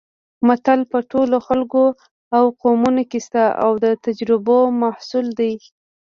متل په ټولو خلکو او قومونو کې شته او د تجربو محصول دی